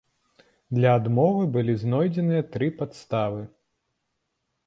Для адмовы былі знойдзеныя тры падставы.